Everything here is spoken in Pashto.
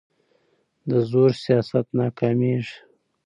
د زور سیاست ناکامېږي